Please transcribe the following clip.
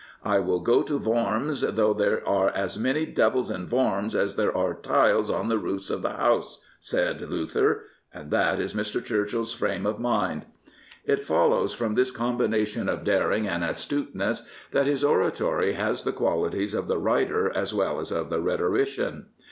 I will go to Worms though there are as many devils in Worms as there are tiles on the roofs of the houses," said Luther. And that is Mr. Churchill's frame of mind. It follows from this combination of daring and astuteness that his oratory has the qualities of the writer as well as of the rhetorician.